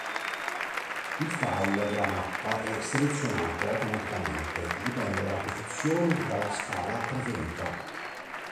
Il file della mappa è selezionato automaticamente, dipende dalla posizione e dalla scala preferita.